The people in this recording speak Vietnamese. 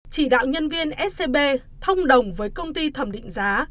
chỉ đạo nhân viên scb thông đồng với công ty thẩm định giá